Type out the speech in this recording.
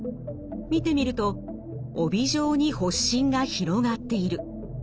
見てみると帯状に発疹が広がっている。